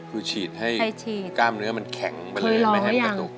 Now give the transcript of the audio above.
คือฉีดให้กล้ามเนื้อมันแข็งไปเลยไม่แห่งกระตุกคือฉีดให้กล้ามเนื้อมันแข็งไปเลยไม่แห่งกระตุก